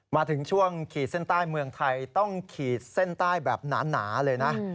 มาถึงช่วงขีดเส้นใต้เมืองไทยต้องขีดเส้นใต้แบบหนาเลยนะ